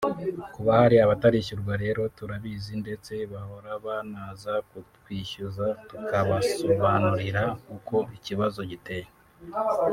kuba hari abatarishyurwa rero turabizi ndetse bahora banaza kutwishyuza tukabasobanurira uko ikibazo giteye